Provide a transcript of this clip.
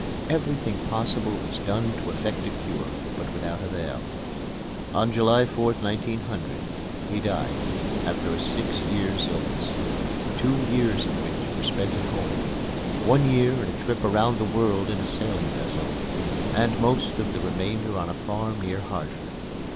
Everything possible was done to effect a cure, but without avail. On July 4th, 1900, he died, after a six years' illness, two years of which were spent at home, one year in a trip around the world in a sailing vessel, and most of the remainder on a farm near Hartford.